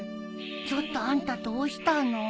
ちょっとあんたどうしたの？